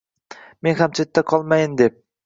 Men ham chetda qolmayin deb